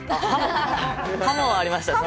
ハモはありました